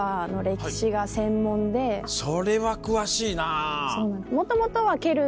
それは詳しいな。